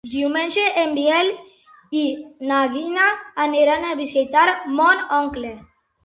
Diumenge en Biel i na Gina aniran a visitar mon oncle.